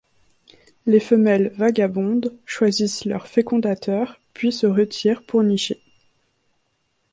Les femelles vagabondent, choisissent leurs fécondateurs puis se retirent pour nicher.